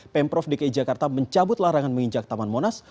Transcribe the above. pemprov dki jakarta mencabut larangan menginjak taman monas